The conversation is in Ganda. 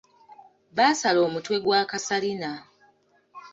Basala omutwe gwa Kasalina.